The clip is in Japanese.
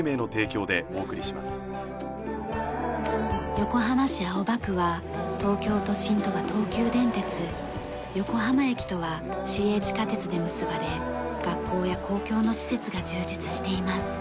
横浜市青葉区は東京都心とは東急電鉄横浜駅とは市営地下鉄で結ばれ学校や公共の施設が充実しています。